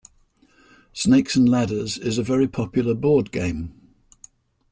Snakes and ladders is a very popular board game